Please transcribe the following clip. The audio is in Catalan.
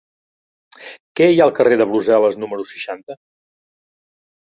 Què hi ha al carrer de Brussel·les número seixanta?